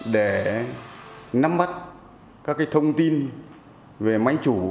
để nắm bắt các thông tin về máy chủ